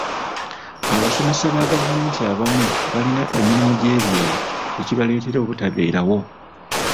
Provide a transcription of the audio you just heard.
Abasomesa ba gavumenti abamu balina emirimu gy'ebyeyo ekibaleetera obutabeerawo.